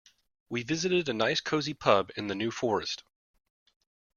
We visited a nice cosy pub in the New Forest.